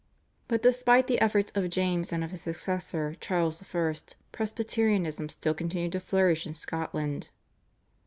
But despite the efforts of James and of his successor Charles I., Presbyterianism still continued to flourish in Scotland.